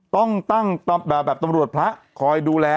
ต้องตั้งแบบตำรวจพระคอยดูแล